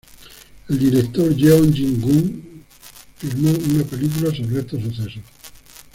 El director Jeong Ji-Young filmó una película sobre estos sucesos.